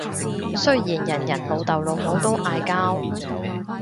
雖然人人老豆老母都嗌交